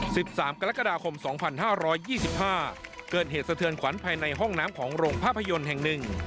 สถานที่๑๓กรกฎาคม๒๕๒๕เกิดเหตุสะเทือนขวัญภายในห้องน้ำของโรงภาพยนตร์แห่งหนึ่ง